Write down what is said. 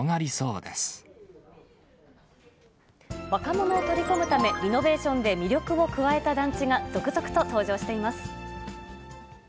若者を取り込むため、リノベーションで魅力を加えた団地が続々と登場しています。